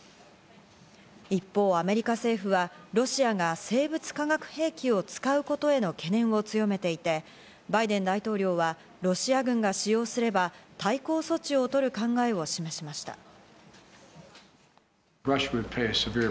一方、アメリカ政府はロシアが生物化学兵器を使うことへの懸念を強めていて、バイデン大統領は、ロシア軍が使用すれば、対抗措置をとる考えを示しました。